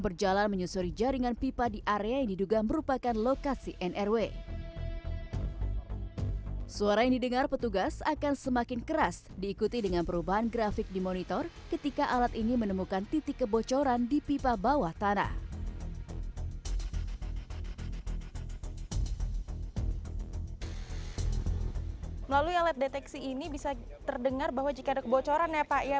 melalui alat deteksi ini bisa terdengar bahwa jika ada kebocoran ya pak ya